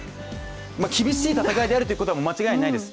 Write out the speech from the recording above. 厳しい戦いであることは間違いないです。